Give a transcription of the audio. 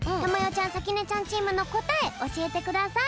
ちゃんさきねちゃんチームのこたえおしえてください。